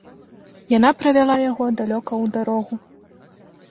Яна правяла яго далёка ў дарогу.